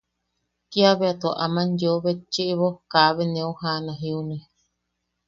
Kiabea tua aman yeo betchiʼibo kaabe neu jana jiune.